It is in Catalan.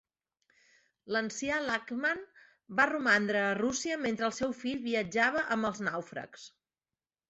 L'ancià Laxmann va romandre a Rússia mentre el seu fill viatjava amb els nàufrags.